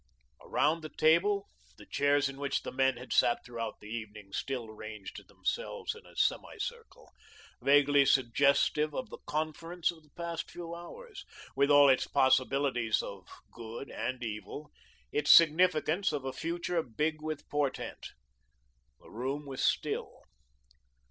Around the table the chairs in which the men had sat throughout the evening still ranged themselves in a semi circle, vaguely suggestive of the conference of the past few hours, with all its possibilities of good and evil, its significance of a future big with portent. The room was still.